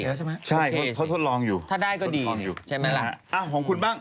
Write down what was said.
โอเคแล้วใช่ไหมใช่ทดลองอยู่ถ้าได้ก็ดีใช่ไหมล่ะอ่ะของคุณบ้าง